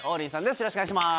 よろしくお願いします。